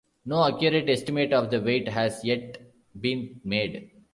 No accurate estimate of the weight has yet been made.